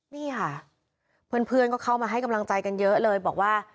นี่ค่ะเพื่อนก็เข้ามาให้กำลังใจกันเยอะเลยบอกว่า